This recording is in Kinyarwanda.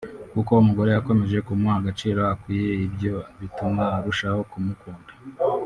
kuko umugore yakomeje kumuha agaciro akwiye ibyo bituma arushaho kumukunda